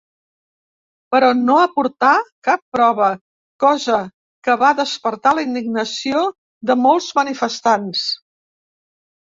Però no aportà cap prova, cosa que va despertar la indignació de molts manifestants.